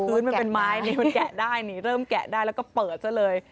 พื้นมันเป็นไม้มันแกะได้เริ่มแกะได้แล้วก็เปิดซะเลย